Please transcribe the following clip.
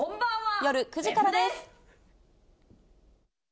夜９時からです。